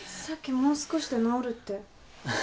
さっきもう少しで直るって。